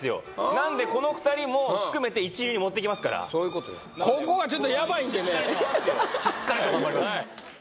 なんでこの２人も含めて一流に持っていきますからそういうことやここはちょっとやばいんでねしっかりと頑張ります